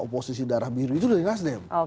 oposisi darah biru itu dari nasdem